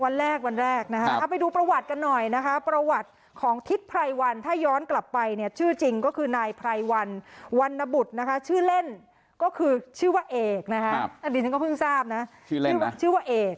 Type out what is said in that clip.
วันแรกวันแรกนะฮะเอาไปดูประวัติกันหน่อยนะคะประวัติของทิศไพรวันถ้าย้อนกลับไปเนี่ยชื่อจริงก็คือนายไพรวันวันนบุตรนะคะชื่อเล่นก็คือชื่อว่าเอกนะฮะอันนี้ฉันก็เพิ่งทราบนะชื่อเล่นชื่อชื่อว่าเอก